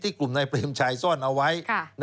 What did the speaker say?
ที่กรุ่นในพึเภมชายซ่อนเอาไว้